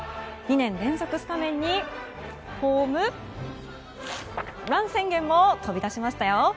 ２年連続スタメンにホームラン宣言も飛び出しましたよ！